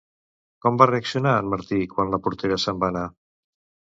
Com va reaccionar en Martí quan la portera se'n va anar?